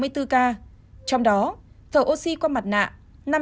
trong đó thở oxy qua mặt nạ năm trăm hai mươi ba ca